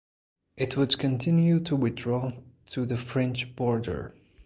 It would continue to withdraw to the French border.